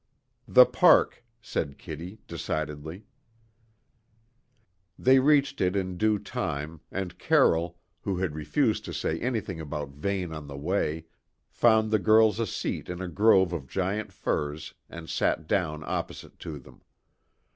"The park," said Kitty decidedly. They reached it in due time and Carroll, who had refused to say anything about Vane on the way, found the girls a seat in a grove of giant firs and sat down opposite to them.